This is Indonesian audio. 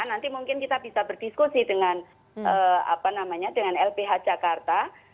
nanti mungkin kita bisa berdiskusi dengan lbh jakarta